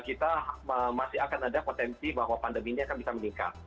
kita masih akan ada potensi bahwa pandemi ini akan bisa meningkat